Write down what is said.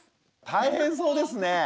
大変そうですね。